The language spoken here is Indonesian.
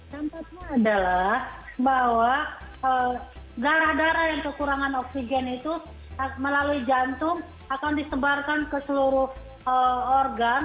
dampaknya adalah bahwa darah darah yang kekurangan oksigen itu melalui jantung akan disebarkan ke seluruh organ